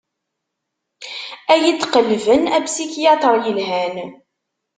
Ad iyi-d-qelben apsikyaṭr yelhan.